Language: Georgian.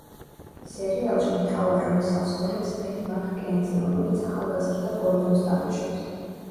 სერიალში მთავარ როლს ასრულებს ბენ მაკ-კენზი, რომელიც ახალგაზრდა გორდონს თამაშობს.